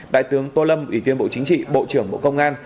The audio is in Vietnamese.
đại tướng tô lâm ủy viên bộ chính trị bộ trưởng bộ công an